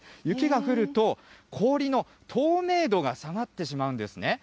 雪が降ると、氷の透明度が下がってしまうんですね。